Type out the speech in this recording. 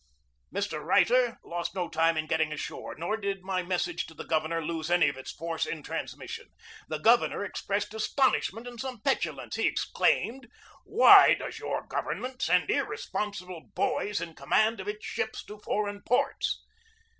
Mr. Reiter lost no time in getting ashore, nor did my message to the governor lose any of its force in transmission. The governor expressed astonishment and some petulance. He exclaimed: "Why does your government send irresponsible boys in command of its ships to foreign ports?"